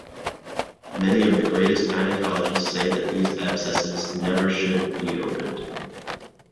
Many of the greatest gynecologists say that these abscesses never should be opened.